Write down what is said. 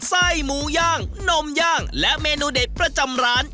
ไส้หมูย่างนมย่างและเมนูเด็ดประจำร้าน